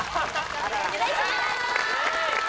お願いしまーす！